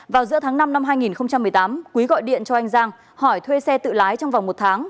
vào giữa tháng năm năm hai nghìn một mươi tám quý gọi điện cho anh giang hỏi thuê xe tự lái trong vòng một tháng